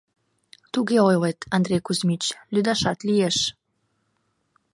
— Туге ойлет, Андрей Кузьмич, лӱдашат лиеш.